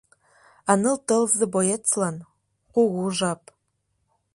А ныл тылзе боецлан — кугу жап.